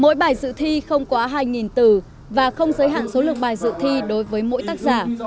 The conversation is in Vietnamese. mỗi bài dự thi không quá hai từ và không giới hạn số lượng bài dự thi đối với mỗi tác giả